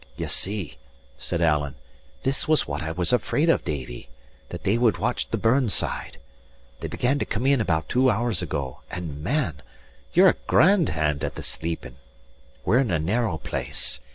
"Ye see," said Alan, "this was what I was afraid of, Davie: that they would watch the burn side. They began to come in about two hours ago, and, man! but ye're a grand hand at the sleeping! We're in a narrow place.